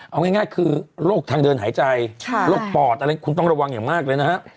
เอาง่ายคือโรคทางเดินหายใจโรคปอดอะไรคุณต้องระวังอย่างมากเลยนะฮะ